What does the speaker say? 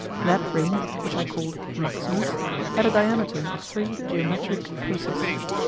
That ring, which I called maximus, had a diameter of three geometric paces.